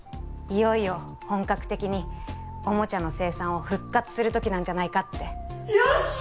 いよいよ本格的におもちゃの生産を復活する時なんじゃないかってよし！